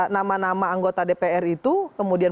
nama nama anggota dpr itu kemudian